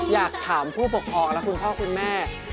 อยากถามผู้ปกครองและคุณพ่อคุณแม่